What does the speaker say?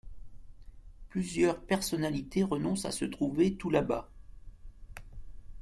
Plusieurs personnalités renoncent à se trouver tout là-bas.